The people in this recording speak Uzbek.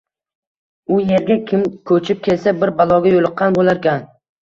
U erga kim ko`chib kelsa, bir baloga yo`liqqan bo`larkan